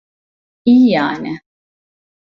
İyi yani.